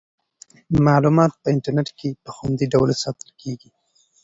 معلومات په انټرنیټ کې په خوندي ډول ساتل کیږي.